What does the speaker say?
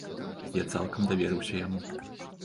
Я цалкам даверыўся яму.